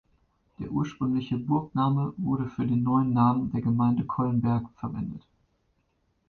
Der ursprüngliche Burgname wurde für den neuen Namen der Gemeinde Collenberg verwendet.